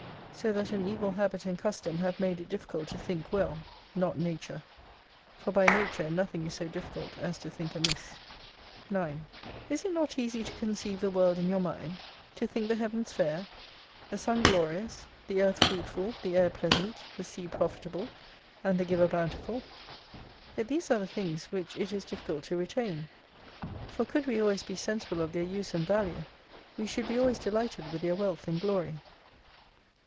So that an evil habit and custom have made it difficult to think well, not Nature. For by nature nothing is so difficult as to think amiss. 9 Is it not easy to conceive tlie "World in your Mind ? To think the Heavens fair ? The Sun Glorious ? The Earth fruitful ? The Air Pleasant ? The Sea Profit able ? And the Giver botmtiful ? Yet these are the things which it is difficult to retain. For could we always be sensible of their use and value, we should be always delighted with their wealth and glory.